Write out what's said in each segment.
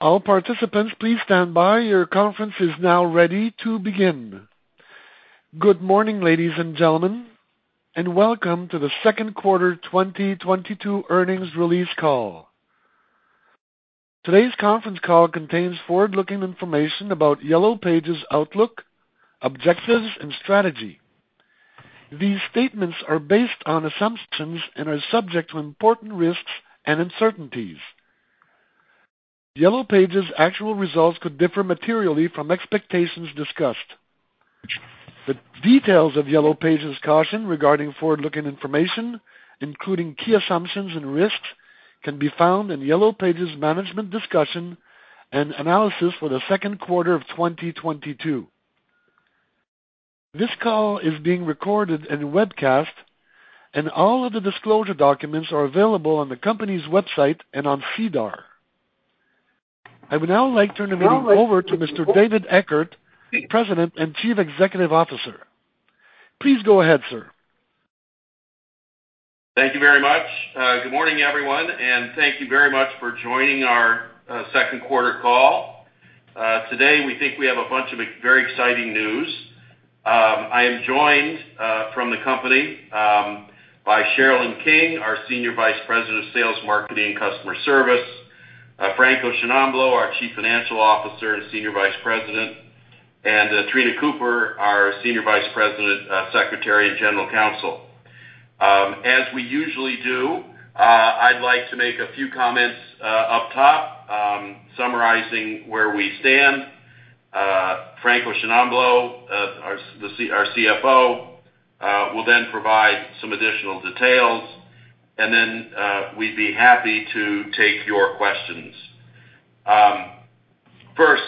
All participants, please stand by. Your conference is now ready to begin. Good morning, ladies and gentlemen, and welcome to the second quarter 2022 earnings release call. Today's conference call contains forward-looking information about Yellow Pages' outlook, objectives, and strategy. These statements are based on assumptions and are subject to important risks and uncertainties. Yellow Pages' actual results could differ materially from expectations discussed. The details of Yellow Pages' caution regarding forward-looking information, including key assumptions and risks, can be found in Yellow Pages' Management Discussion and Analysis for the second quarter of 2022. This call is being recorded and webcast, and all of the disclosure documents are available on the company's website and on SEDAR. I would now like to turn the meeting over to Mr. David A. Eckert, President and Chief Executive Officer. Please go ahead, sir. Thank you very much. Good morning, everyone, and thank you very much for joining our second quarter call. Today, we think we have a bunch of very exciting news. I am joined from the company by Sherilyn King, our Senior Vice President of Sales, Marketing, and Customer Service, Franco Sciannamblo, our Chief Financial Officer and Senior Vice President, and Treena Cooper, our Senior Vice President, Secretary, and General Counsel. As we usually do, I'd like to make a few comments up top, summarizing where we stand. Franco Sciannamblo, our CFO, will then provide some additional details, and then we'd be happy to take your questions. First,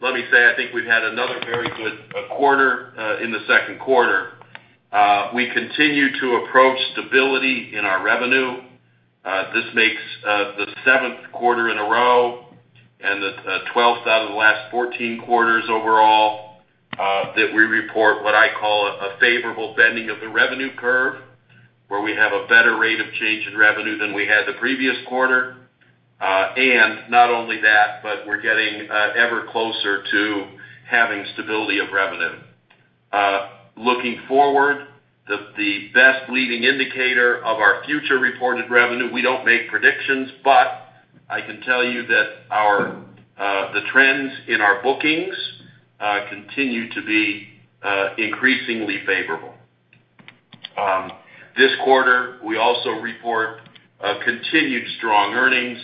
let me say, I think we've had another very good quarter in the second quarter. We continue to approach stability in our revenue. This makes the 7th quarter in a row and the 12th out of the last 14 quarters overall that we report what I call a favorable bending of the revenue curve, where we have a better rate of change in revenue than we had the previous quarter. Not only that, but we're getting ever closer to having stability of revenue. Looking forward, the best leading indicator of our future reported revenue, we don't make predictions, but I can tell you that our, the trends in our bookings continue to be increasingly favorable. This quarter, we also report continued strong earnings.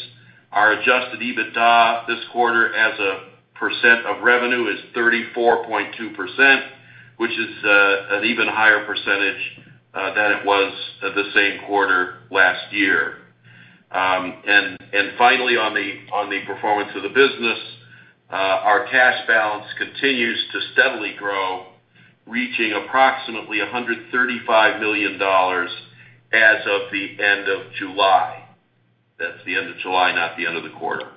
Our Adjusted EBITDA this quarter as a percent of revenue is 34.2%, which is an even higher percentage than it was at the same quarter last year. Finally on the performance of the business, our cash balance continues to steadily grow, reaching approximately 135 million dollars as of the end of July. That's the end of July, not the end of the quarter.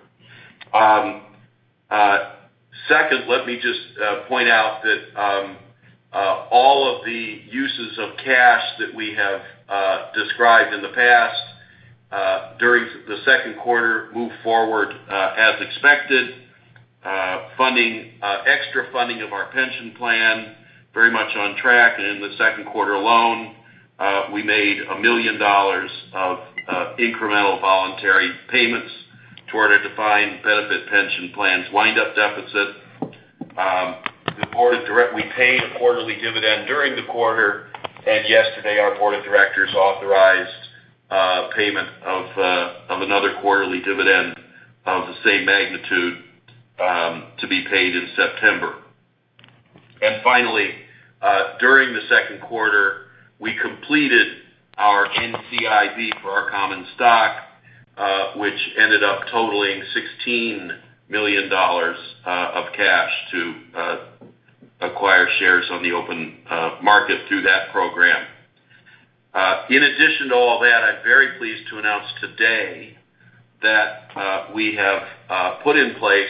Second, let me just point out that all of the uses of cash that we have described in the past, during the second quarter moved forward as expected. Extra funding of our pension plan very much on track. In the second quarter alone, we made 1 million dollars of incremental voluntary payments toward our Defined Benefit Pension Plan's wind-up deficit. We paid a quarterly dividend during the quarter, and yesterday, our board of directors authorized payment of another quarterly dividend of the same magnitude to be paid in September. Finally, during the second quarter, we completed our NCIB for our common stock, which ended up totaling 16 million dollars of cash to acquire shares on the open market through that program. In addition to all that, I'm very pleased to announce today that we have put in place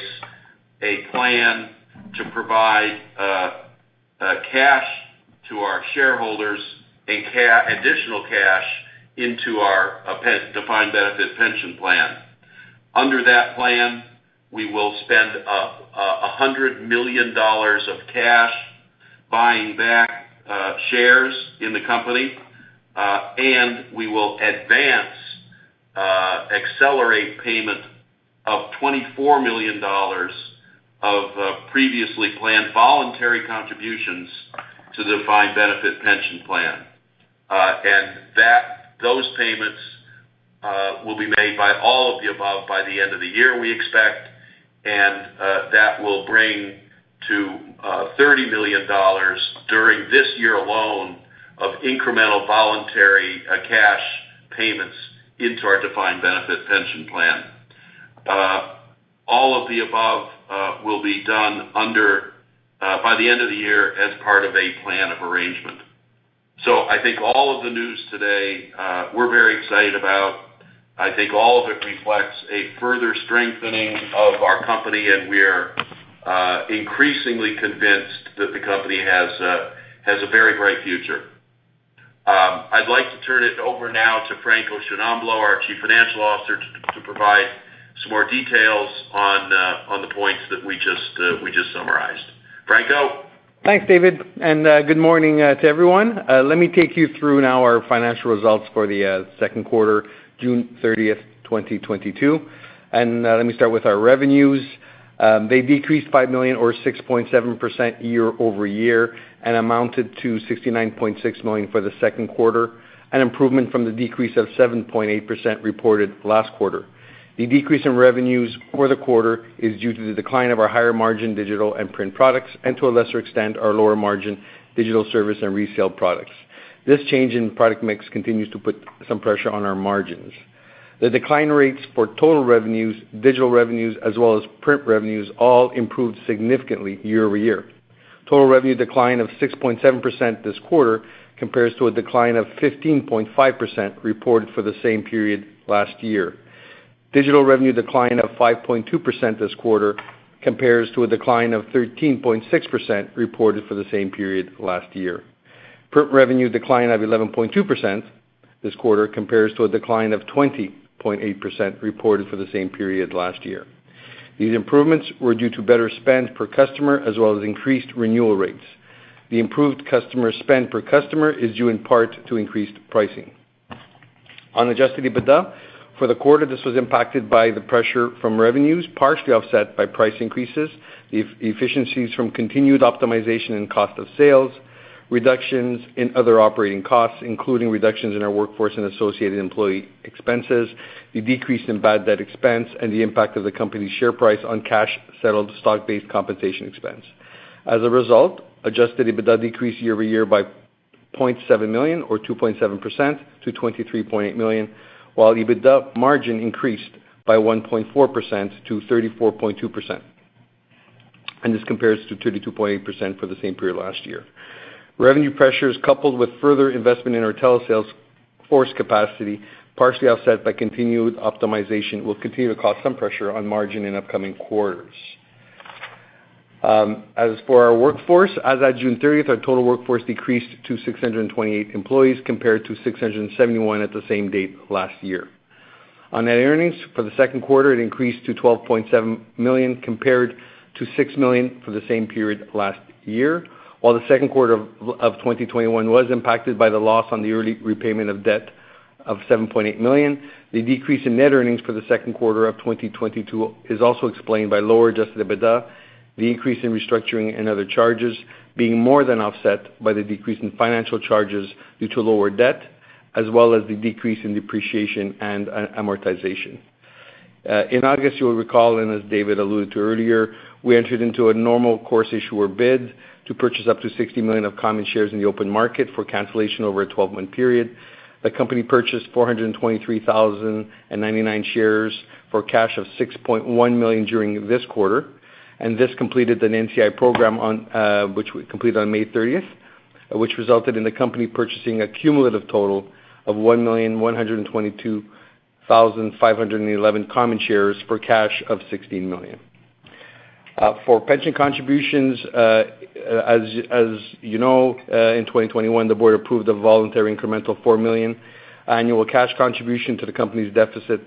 a plan to provide cash to our shareholders and additional cash into our defined benefit pension plan. Under that plan, we will spend 100 million dollars of cash buying back shares in the company, and we will accelerate payment of 24 million dollars of previously planned voluntary contributions to the Defined Benefit Pension Plan. Those payments will be made by all of the above by the end of the year, we expect, and that will bring to 30 million dollars during this year alone of incremental voluntary cash payments into our Defined Benefit Pension Plan. All of the above will be done by the end of the year as part of a Plan of Arrangement. I think all of the news today, we're very excited about. I think all of it reflects a further strengthening of our company, and we're increasingly convinced that the company has a very bright future. I'd like to turn it over now to Franco Sciannamblo, our Chief Financial Officer, to provide some more details on the points that we just summarized. Franco? Thanks, David, and good morning to everyone. Let me take you through now our financial results for the second quarter, June 30, 2022. Let me start with our revenues. They decreased 5 million or 6.7% year-over-year and amounted to 69.6 million for the second quarter, an improvement from the decrease of 7.8% reported last quarter. The decrease in revenues for the quarter is due to the decline of our higher margin digital and print products and, to a lesser extent, our lower margin digital services and resale products. This change in product mix continues to put some pressure on our margins. The decline rates for total revenues, digital revenues, as well as print revenues all improved significantly year-over-year. Total revenue decline of 6.7% this quarter compares to a decline of 15.5% reported for the same period last year. Digital revenue decline of 5.2% this quarter compares to a decline of 13.6% reported for the same period last year. Print revenue decline of 11.2% this quarter compares to a decline of 20.8% reported for the same period last year. These improvements were due to better spend per customer as well as increased renewal rates. The improved customer spend per customer is due in part to increased pricing. On adjusted EBITDA for the quarter, this was impacted by the pressure from revenues, partially offset by price increases, efficiencies from continued optimization and cost of sales, reductions in other operating costs, including reductions in our workforce and associated employee expenses, the decrease in bad debt expense, and the impact of the company's share price on cash-settled stock-based compensation expense. As a result, adjusted EBITDA decreased year-over-year by 0.7 million or 2.7% to 23.8 million, while EBITDA margin increased by 1.4% to 34.2%, and this compares to 32.8% for the same period last year. Revenue pressures coupled with further investment in our telesales force capacity, partially offset by continued optimization, will continue to cause some pressure on margin in upcoming quarters. As for our workforce, as at June thirtieth, our total workforce decreased to 628 employees compared to 671 at the same date last year. On net earnings for the second quarter, it increased to 12.7 million compared to 6 million for the same period last year. While the second quarter of 2021 was impacted by the loss on the early repayment of debt of 7.8 million, the decrease in net earnings for the second quarter of 2022 is also explained by lower Adjusted EBITDA, the increase in restructuring and other charges being more than offset by the decrease in financial charges due to lower debt, as well as the decrease in depreciation and amortization. In August, you will recall, and as David alluded to earlier, we entered into a normal course issuer bid to purchase up to 60 million common shares in the open market for cancellation over a 12-month period. The company purchased 423,099 shares for cash of 6.1 million during this quarter, and this completed an NCIB program on which we completed on May 30, which resulted in the company purchasing a cumulative total of 1,122,511 common shares for cash of 16 million. For pension contributions, as you know, in 2021, the board approved a voluntary incremental 4 million annual cash contribution to the company's deficit,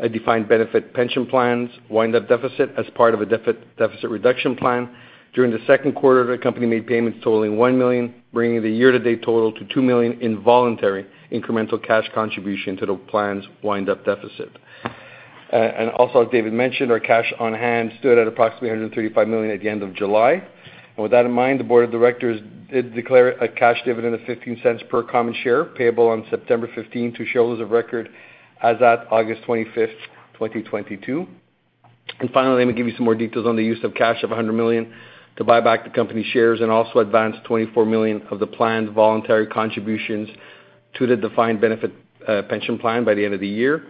a defined benefit pension plans wind-up deficit as part of a deficit reduction plan. During the second quarter, the company made payments totaling 1 million, bringing the year-to-date total to 2 million in voluntary incremental cash contribution to the plan's wind-up deficit. As David mentioned, our cash on hand stood at approximately 135 million at the end of July. With that in mind, the board of directors did declare a cash dividend of 0.15 per common share payable on September 15 to shareholders of record as at August 25, 2022. Finally, let me give you some more details on the use of cash of 100 million to buy back the company shares and also advance 24 million of the planned voluntary contributions to the defined benefit pension plan by the end of the year.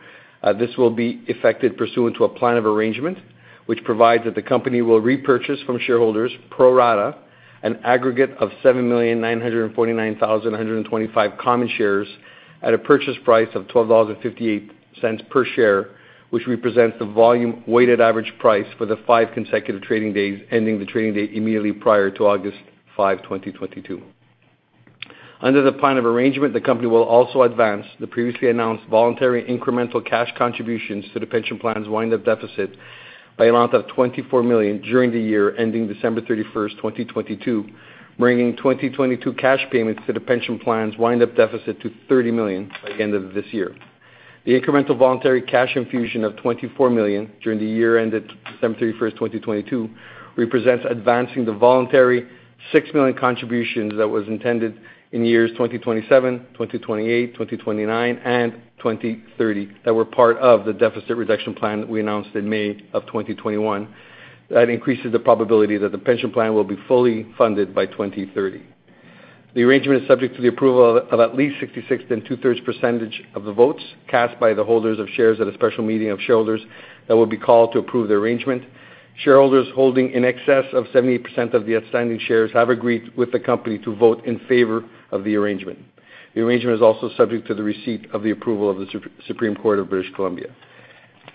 This will be effected pursuant to a Plan of Arrangement, which provides that the company will repurchase from shareholders pro rata, an aggregate of 7,949,125 common shares at a purchase price of 12.58 dollars per share, which represents the volume-weighted average price for the 5 consecutive trading days ending the trading date immediately prior to August 5, 2022. Under the Plan of Arrangement, the company will also advance the previously announced voluntary incremental cash contributions to the pension plan's wind-up deficit by an amount of 24 million during the year ending December 31, 2022, bringing 2022 cash payments to the pension plan's wind-up deficit to 30 million by the end of this year. The incremental voluntary cash infusion of 24 million during the year ended December 31, 2022, represents advancing the voluntary 6 million contributions that was intended in years 2027, 2028, 2029, and 2030 that were part of the Deficit Reduction Plan that we announced in May 2021. That increases the probability that the pension plan will be fully funded by 2030. The arrangement is subject to the approval of at least 66 2/3% of the votes cast by the holders of shares at a special meeting of shareholders that will be called to approve the arrangement. Shareholders holding in excess of 70% of the outstanding shares have agreed with the company to vote in favor of the arrangement. The arrangement is also subject to the receipt of the approval of the Supreme Court of British Columbia.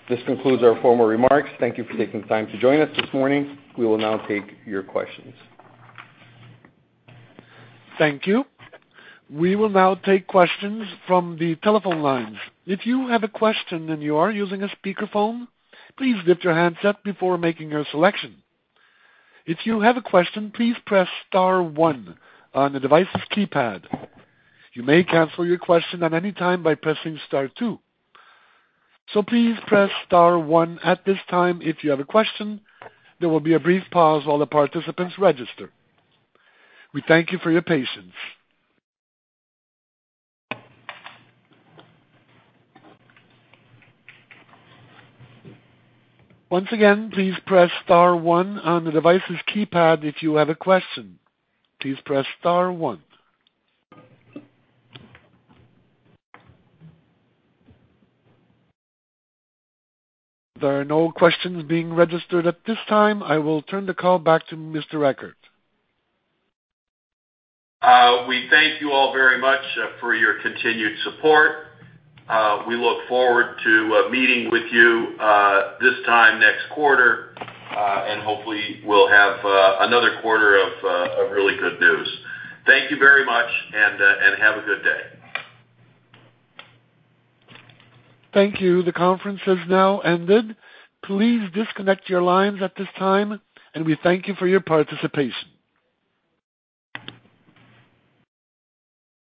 This concludes our formal remarks. Thank you for taking the time to join us this morning. We will now take your questions. Thank you. We will now take questions from the telephone lines. If you have a question and you are using a speakerphone, please mute your handset before making your selection. If you have a question, please press star one on the device's keypad. You may cancel your question at any time by pressing star two. Please press star one at this time if you have a question. There will be a brief pause while the participants register. We thank you for your patience. Once again, please press star one on the device's keypad if you have a question. Please press star one. There are no questions being registered at this time. I will turn the call back to Mr. Eckert. We thank you all very much for your continued support. We look forward to meeting with you this time next quarter. Hopefully we'll have another quarter of really good news. Thank you very much and have a good day. Thank you. The conference has now ended. Please disconnect your lines at this time, and we thank you for your participation.